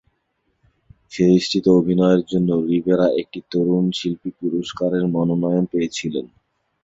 সিরিজটিতে অভিনয়ের জন্য রিভেরা একটি তরুণ শিল্পী পুরস্কারের মনোনয়ন পেয়েছিলেন।